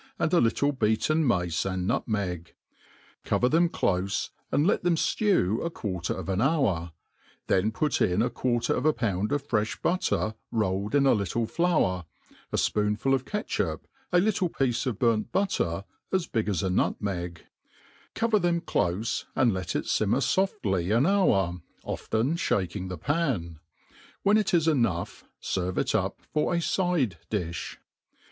and a little beaten mace and nutmeg. Cover them clofe, and let them ftewr a quarter of an hour, then put in a quarter of a pound oi> fre(h butter rolled in a little flour, a fpoonful of catchup, a Kttte piece of burnt butter as big as a nutmeg; cover them clofe, and let it fimmer foftly an hour^ often fhaking the pan* When it i» enough, fcrve it up for a fide di(h.